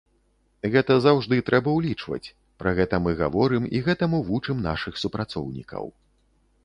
Гэта заўжды трэба ўлічваць, пра гэта мы гаворым і гэтаму вучым нашых супрацоўнікаў.